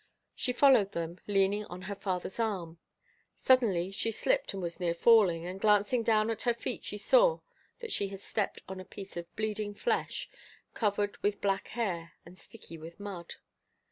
She followed them, leaning on her father's arm. Suddenly she slipped and was near falling, and glancing down at her feet she saw that she had stepped on a piece of bleeding flesh, covered with black hairs and sticky with mud.